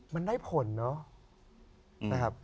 มันได้ผลเนาะ